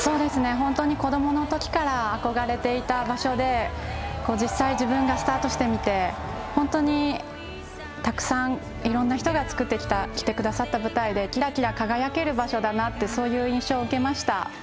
本当に子どものときから憧れていた場所で実際、自分がスタートしてみて本当にたくさんいろんな人が作ってきてくださった舞台でキラキラ輝ける場所だなってそういう印象を受けました。